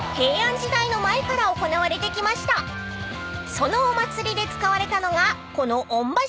［そのお祭りで使われたのがこの御柱］